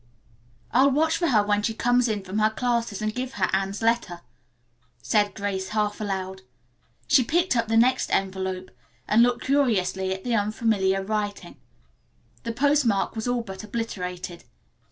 "I'll watch for her when she comes in from her classes and give her Anne's letter," said Grace, half aloud. She picked up the next envelope and looked curiously at the unfamiliar writing. The postmark was all but obliterated.